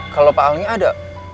kalau pak alnya ada